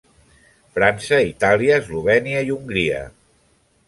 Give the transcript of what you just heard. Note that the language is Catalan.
França, Itàlia, Eslovènia i Hongria.